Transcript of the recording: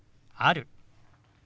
「ある」。